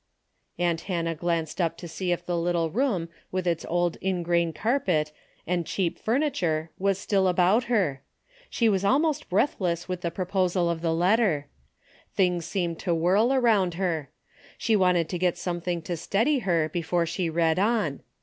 Aunt Hannah glanced up to see if the little DAILY BATE." 99 room with its old ingrain carpet and cheap furniture was still about her. She was almost breathless with the proposal of the letter. Things seemed to whirl around her. She wanted to get something to steady her before she read on.